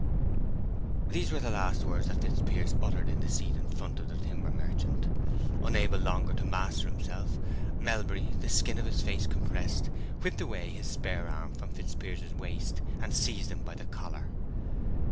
These were the last words that Fitzpiers uttered in his seat in front of the timber merchant. Unable longer to master himself, Melbury, the skin of his face compressed, whipped away his spare arm from Fitzpiers's waist, and seized him by the collar.